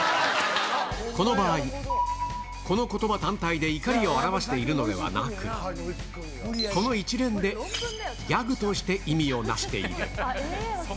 この場合、このことば単体で怒りを表しているのではなく、この一連で、ギャグとして意味を成している。